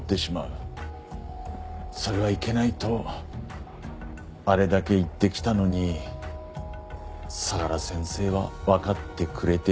それはいけないとあれだけ言ってきたのに相良先生はわかってくれていなかった。